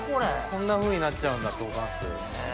こんなふうになっちゃうんだトーカンスー。